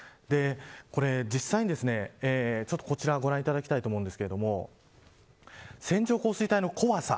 これ実際に、こちらをご覧いただきたいと思うんですけれども線状降水帯の怖さ。